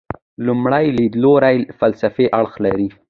لومړی لیدلوری فلسفي اړخ لري.